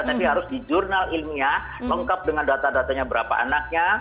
tapi harus di jurnal ilmiah lengkap dengan data datanya berapa anaknya